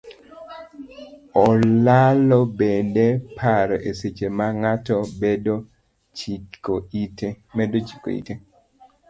Olalo bende paro e seche ma ng'ato medo chiko ite.